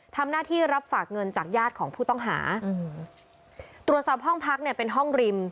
ทำหน้าที่รับฝากเงินจากญาติของผู้ต้องหาอืมตรวจสอบห้องพักเนี่ยเป็นห้องริม